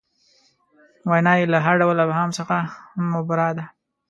وینا یې له هر ډول ابهام څخه مبرا ده.